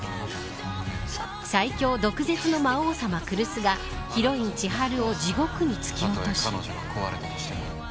最強毒舌の魔王様、来栖がヒロイン千晴を地獄に突き落とし。